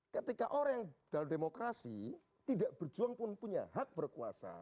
ketika orang yang dalam demokrasi tidak berjuang pun punya hak berkuasa